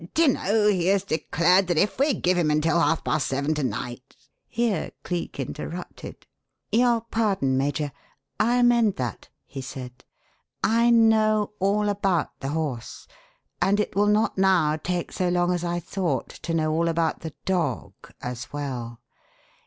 "Do you know, he has declared that if we give him until half past seven to night " Here Cleek interrupted. "Your pardon, Major I amend that," he said. "I know all about the horse and it will not now take so long as I thought to know all about the 'dog' as well.